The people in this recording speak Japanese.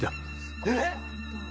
えっ。